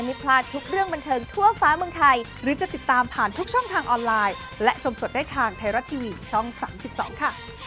บรรเทิร์บรรเทิร์ไทยรัก